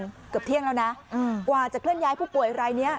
เกือบเที่ยงแล้วนะกว่าจะเคลื่อนย้ายผู้ป่วยรายนี้